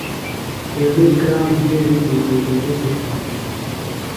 تیݨی کرام بِیڈیۡ ایماندیرِیۡ کیۡ تھانوۡ۔